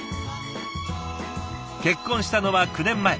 結婚したのは９年前。